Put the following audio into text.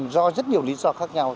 do rất nhiều lý do khác nhau